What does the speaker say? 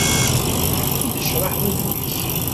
Yennecraḥ wudem-is.